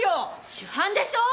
主犯でしょ！